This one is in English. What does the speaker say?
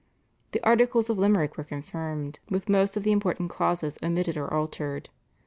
The Articles of Limerick were confirmed with most of the important clauses omitted or altered.